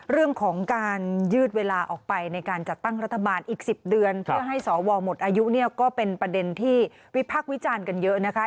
เรื่องของการยืดเวลาออกไปในการจัดตั้งรัฐบาลอีก๑๐เดือนเพื่อให้สวหมดอายุเนี่ยก็เป็นประเด็นที่วิพักษ์วิจารณ์กันเยอะนะคะ